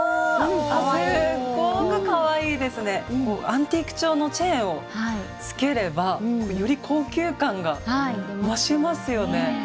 アンティーク調のチェーンをつければより高級感が増しますよね。